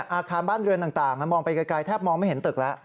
อาคารบ้านเรือนต่างมองไปไกลแทบมองไม่เห็นตึกแล้ว